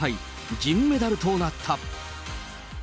銀メダルとなった。